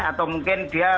atau mungkin dia